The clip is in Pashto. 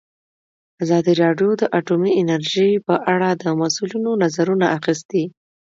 ازادي راډیو د اټومي انرژي په اړه د مسؤلینو نظرونه اخیستي.